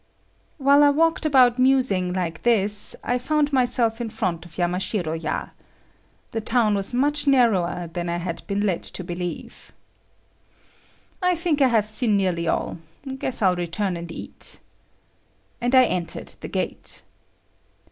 While I walked about musing like this, I found myself in front of Yamashiro ya. The town was much narrower than I had been led to believe. "I think I have seen nearly all. Guess I'll return and eat." And I entered the gate.